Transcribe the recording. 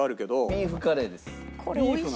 ビーフカレーです。